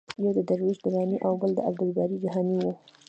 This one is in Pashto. یو د درویش دراني او بل د عبدالباري جهاني و.